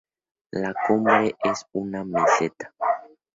La cumbre es una meseta.